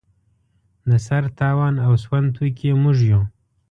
د سر تاوان او سوند توکي یې موږ یو.